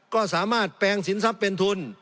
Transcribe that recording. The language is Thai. ก็สามารถแปลงสินทรัพย์เป็นทุน